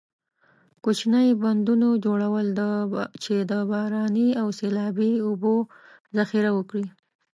کوچنۍ بندونو جوړول چې د باراني او سیلابي اوبو ذخیره وکړي.